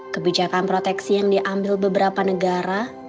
kebijakan proteksi yang diambil beberapa negara